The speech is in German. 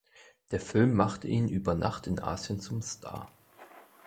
Der Film machte ihn über Nacht in Asien zum Star.